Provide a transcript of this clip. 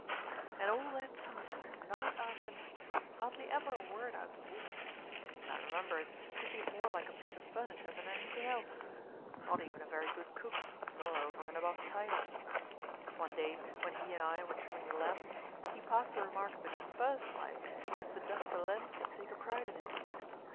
And all that time, night after night, hardly ever a word out of the woman. As I remember it, she seemed more like a piece of furniture than anything else not even a very good cook, nor over and above tidy. One day, when he and I were trimming the lamp, he passed the remark that his first wife used to dust the lens and take a pride in it.